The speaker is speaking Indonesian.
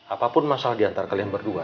apapun masalah diantara kalian berdua